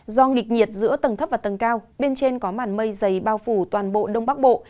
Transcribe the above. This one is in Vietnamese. do nghịch nhiệt giữa tầng thấp và tầng cao bên trên có màn mây dày bao phủ toàn bộ đông bắc bộ